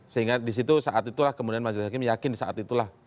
sehingga disitu saat itulah kemudian majelis hakim yakin di saat itulah